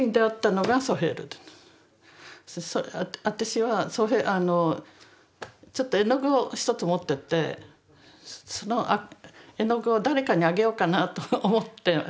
私はちょっと絵の具を１つ持っていってその絵の具を誰かにあげようかなと思って持ってたんですね。